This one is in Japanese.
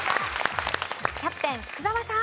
キャプテン福澤さん。